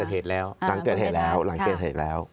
หลังเกิดเหตุแล้ว